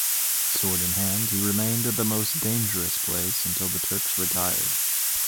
Sword in hand, he remained at the most dangerous place until the Turks retired.